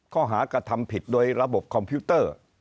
ข้อหากระทำผิดโดยระบบคอมพิวเตอร์